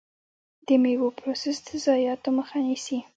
د میوو پروسس د ضایعاتو مخه نیسي.